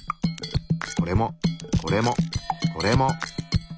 これもこれもこれも！